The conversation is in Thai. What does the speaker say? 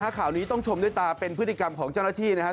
ข่าวนี้ต้องชมด้วยตาเป็นพฤติกรรมของเจ้าหน้าที่นะครับ